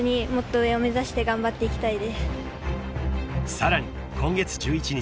［さらに今月１１日。